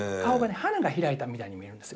花が開いたみたいに見えるんですよ